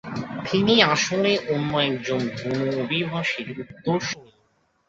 তিনি আসলে অন্য একজন বুন অভিবাসীর উত্তরসূরি।